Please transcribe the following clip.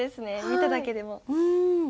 見ただけでも。